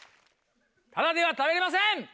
ただでは食べれません！